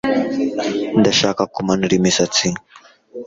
Ndashaka kumanura umusatsi